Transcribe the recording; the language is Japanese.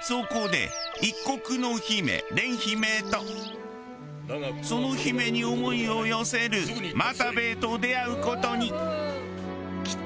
そこで一国の姫廉姫とその姫に思いを寄せる又兵衛と出会う事に。